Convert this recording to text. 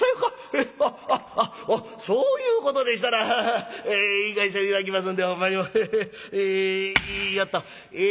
へえあっあっあっおっそういうことでしたら行かして頂きますんでほんまに。よっと。え」。